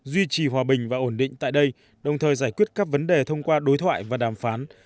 duy trì hòa bình và ổn định tại đây đồng thời giải quyết các vấn đề thông qua đối thoại và đàm phán